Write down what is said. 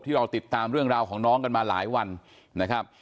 เราติดตามเรื่องราวของน้องกันมาหลายวันนะครับ